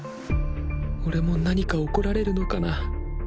俺も何か怒られるのかな